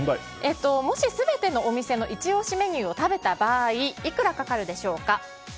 もし、全てのお店のイチ押しメニューを食べた場合いくらかかるでしょうか？